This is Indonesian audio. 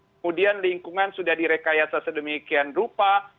kemudian lingkungan sudah direkayasa sedemikian rupa